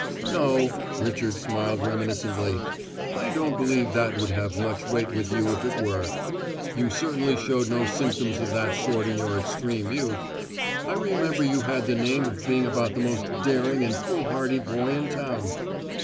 "No," Richard smiled reminiscently. "I don't believe that would have much weight with you if it were. You certainly showed no symptoms of that sort in your extreme youth. I remember you had the name of being about the most daring and foolhardy boy in town."